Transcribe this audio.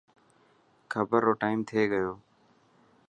خبران رو ٽائيم ٿي گيو.